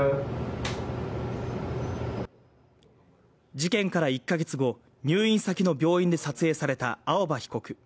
事件から１か月後、入院先の病院で撮影された青葉被告。